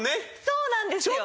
そうなんですよ。